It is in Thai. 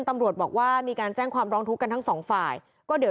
ตำรวจบอกว่ามีการแจ้งความร้องทุกข์